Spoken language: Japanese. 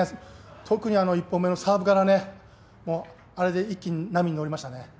特にあの１本目のサーブから、あれで一気に波に乗りましたね。